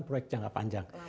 proyek jangka panjang